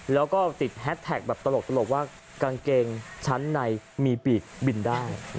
แล้วก็ติดแฮสแท็กแบบตลกว่ากางเกงชั้นในมีปีกบินได้